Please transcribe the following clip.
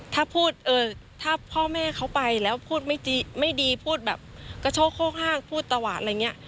ถ้าพูดถ้าพ่อแม่เขาไปแล้วพูดไม่ดีพูดแบบกระโชคโคกห้างพูดตวาดอะไรอย่างนี้